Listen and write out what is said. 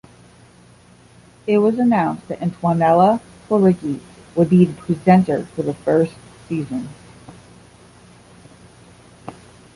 It was announced that Antonella Clerici would be the presenter for the first season.